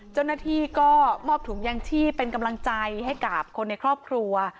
เจ้าหน้าที่ก็มอบถุงยางชีพเป็นกำลังใจให้กับคนในครอบครัว